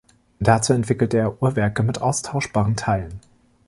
Dazu entwickelte er Uhrwerke mit austauschbaren Teilen.